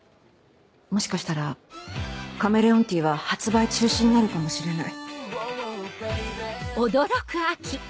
もしかしたらカメレオンティーは発売中止になるかもしれない。